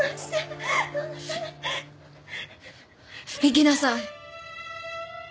行きなさい！